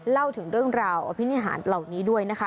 เล่าถึงเรื่องราวอภินิหารเหล่านี้ด้วยนะคะ